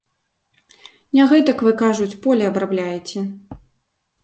Не гэтак вы, кажуць, поле абрабляеце.